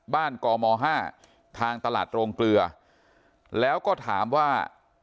กม๕ทางตลาดโรงเกลือแล้วก็ถามว่า